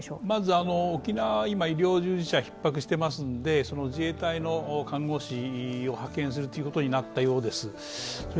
まず、沖縄は今、医療従事者、ひっ迫していますので自衛隊の看護師を派遣するということになったようです。